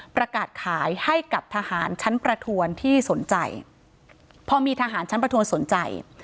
ประกาศขายให้กับทหารชั้นประทวนที่สนใจพอมีทหารชั้นประทวนสนใจ